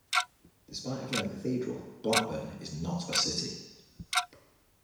Despite having a cathedral Blackburn is not a city.